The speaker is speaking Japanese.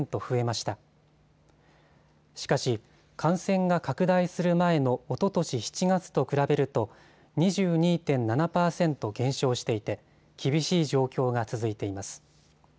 しかし感染が拡大する前のおととし７月と比べると２２．７％減少していて厳しい状況が続いています。